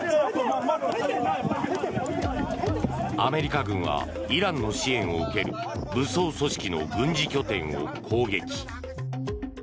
アメリカ軍はイランの支援を受ける武装組織の軍事拠点を攻撃。